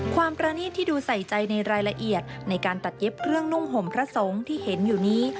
ประณีตที่ดูใส่ใจในรายละเอียดในการตัดเย็บเครื่องนุ่งห่มพระสงฆ์ที่เห็นอยู่นี้